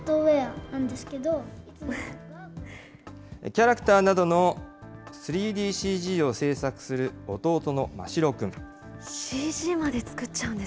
キャラクターなどの３ＤＣＧを制作する弟のマシロ君。